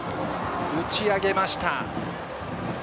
打ち上げました！